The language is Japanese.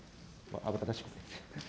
慌ただしくて。